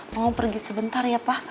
mau pergi sebentar ya pak